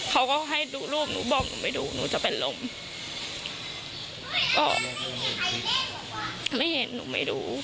เขาก็ให้ดูรูปหนูบอกหนูไม่ดูหนูจะเป็นลม